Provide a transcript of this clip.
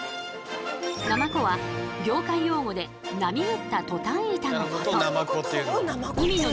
「ナマコ」は業界用語で「波打ったトタン板」のこと。